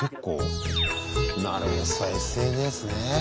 なるへそＳＮＳね。